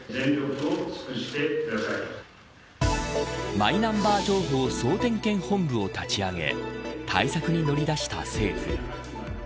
マイナンバー情報総点検本部を立ち上げ対策に乗り出した政府。